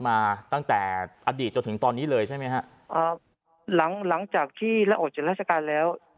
มาตั้งแต่อดีตจนถึงตอนนี้เลยใช่ไหมฮะอ่าหลังจากที่แล้วออกจากราชการแล้ว